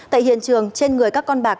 tại hiện trường trên người các con bạc